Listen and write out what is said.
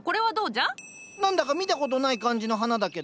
何だか見たことない感じの花だけど。